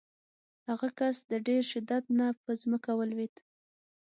هغه کس د ډېر شدت نه په ځمکه ولویېد.